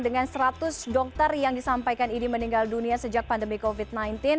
dengan seratus dokter yang disampaikan idi meninggal dunia sejak pandemi covid sembilan belas